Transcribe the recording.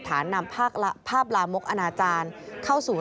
ฐานทราบพ่ารามกอนาจารย์